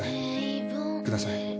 ください。